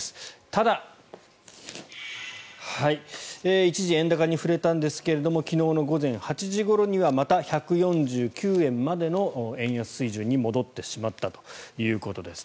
ただ、一時円高に振れたんですが昨日の午後８時ごろにはまた１４９円までの円安水準に戻ってしまったということです。